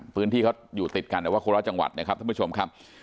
พื้นที่เขาอยู่ติดกันแต่ว่าคนละจังหวัดนะครับท่านผู้ชมครับ